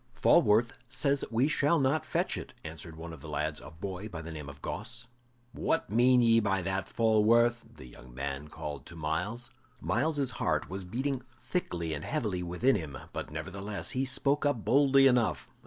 "Falworth says we shall not fetch it," answered one of the lads, a boy by the name of Gosse. "What mean ye by that, Falworth?" the young man called to Myles. Myles's heart was beating thickly and heavily within him, but nevertheless he spoke up boldly enough.